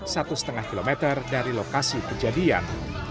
satu setengah kilometer dari lokasi kejadian